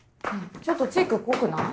ちょっとチーク濃くない？